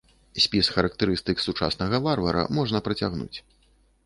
Спіс характарыстык сучаснага варвара можна працягнуць.